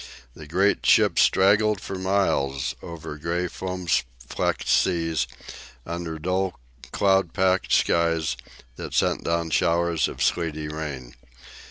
The great ships straggled for miles over grey foam flecked seas, under dull cloud packed skies that sent down showers of sleety rain.